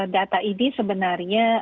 data ini sebenarnya